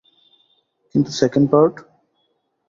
কিন্তু second part?